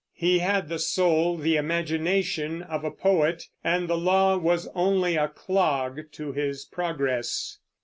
He had the soul, the imagination of a poet, and the law was only a clog to his progress.